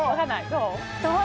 どう？